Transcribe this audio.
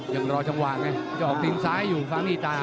ยังรอจังหวะไงจะออกตีนซ้ายอยู่ฟ้านี่ตา